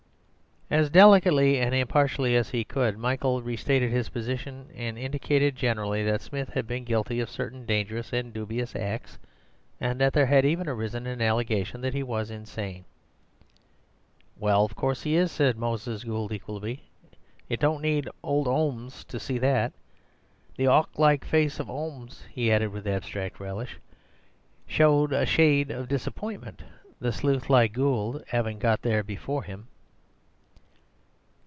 As delicately and impartially as he could, Michael restated his position, and indicated generally that Smith had been guilty of certain dangerous and dubious acts, and that there had even arisen an allegation that he was insane. "Well, of course he is," said Moses Gould equably; "it don't need old 'Olmes to see that. The 'awk like face of 'Olmes," he added with abstract relish, "showed a shide of disappointment, the sleuth like Gould 'avin' got there before 'im."